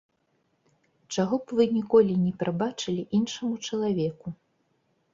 Чаго б вы ніколі не прабачылі іншаму чалавеку?